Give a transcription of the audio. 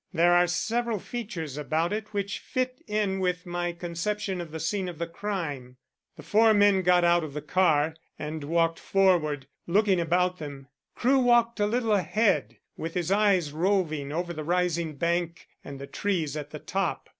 There are several features about it which fit in with my conception of the scene of the crime." The four men got out of the car and walked forward, looking about them. Crewe walked a little ahead, with his eyes roving over the rising bank and the trees at the top.